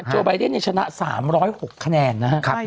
โอไบเดนชนะ๓๐๖คะแนนนะครับ